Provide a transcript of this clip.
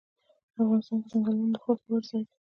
افغانستان کې ځنګلونه د خلکو د خوښې وړ ځای دی.